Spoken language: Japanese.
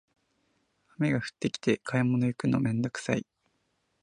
雨が降ってきて買い物行くのめんどくさい